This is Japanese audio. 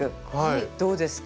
どうですか？